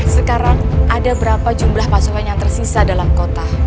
sekarang ada berapa jumlah pasukan yang tersisa dalam kota